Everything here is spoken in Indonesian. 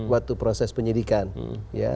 waktu proses penyidikan ya